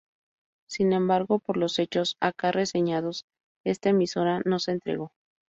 Sin embargo, por los hechos acá reseñados, esta emisora no se entregó.